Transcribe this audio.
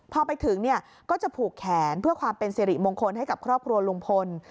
พอไปถึงเนี่ยก็จะผูกแขนเพื่อความเป็นสิริมงคลให้กับครอบครัวลุงพล